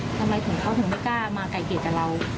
ทำไมถึงเขาถึงไม่กล้ามาไก่เกลียดกับเรา